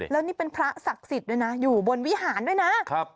แล้วนี่เป็นพระศักดิ์สิทธิ์ด้วยนะอยู่บนวิหารด้วยนะครับ